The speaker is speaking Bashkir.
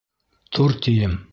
Тор, тием!